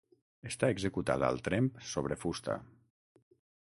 Està executada al tremp sobre fusta.